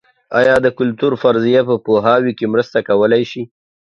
ایا د کلتور فرضیه په پوهاوي کې مرسته کولای شي؟